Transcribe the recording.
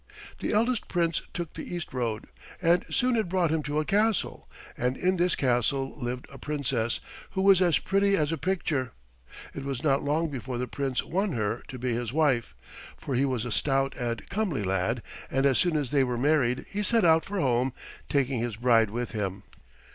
The eldest Prince took the east road, and soon it brought him to a castle, and in this castle lived a Princess who was as pretty as a picture. It was not long before the Prince won her to be his wife, for he was a stout and comely lad, and as soon as they were married he set out for home, taking his bride with him.